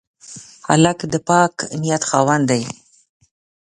هلک د پاک نیت خاوند دی.